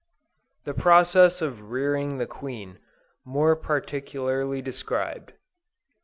THE PROCESS OF REARING THE QUEEN MORE PARTICULARLY DESCRIBED.